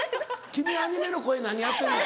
君アニメの声何やってんねん？